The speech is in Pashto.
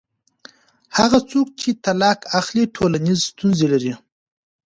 هغه څوک چې طلاق اخلي ټولنیزې ستونزې لري.